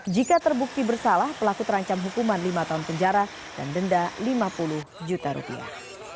jika terbukti bersalah pelaku terancam hukuman lima tahun penjara dan denda lima puluh juta rupiah